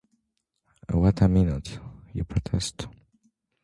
"What a minute," you protest.